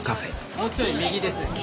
もうちょい右です。